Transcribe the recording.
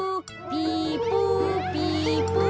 ピポピポ。